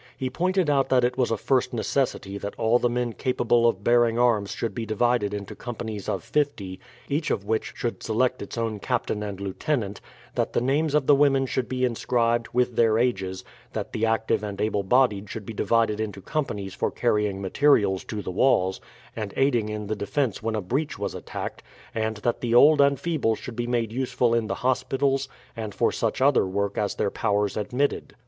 He pointed out that it was a first necessity that all the men capable of bearing arms should be divided into companies of fifty, each of which should select its own captain and lieutenant; that the names of the women should be inscribed, with their ages, that the active and able bodied should be divided into companies for carrying materials to the walls, and aiding in the defence when a breach was attacked; and that the old and feeble should be made useful in the hospitals and for such other work as their powers admitted.